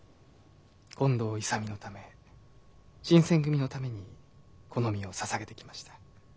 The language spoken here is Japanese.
近藤勇のため新選組のためにこの身をささげてきました。